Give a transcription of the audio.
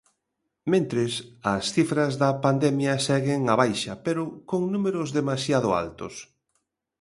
Mentres, as cifras da pandemia seguen á baixa, pero con números demasiado altos.